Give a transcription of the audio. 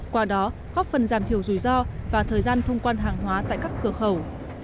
qua đó góp phần giảm thiểu rủi ro và thời gian thông quan hàng hóa tại các cửa khẩu